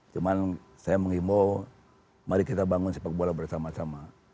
cuman saya menghimbau mari kita bangun sepak bola bersama sama